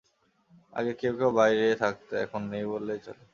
আগে কেউ কেউ বাইরে থাকত, এখন নেই বললেই চলে।